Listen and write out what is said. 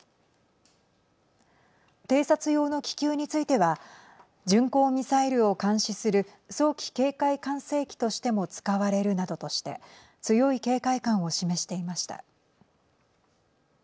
偵察用の気球については巡航ミサイルを監視する早期警戒管制機としても使われるなどとして強い警戒感を示していました。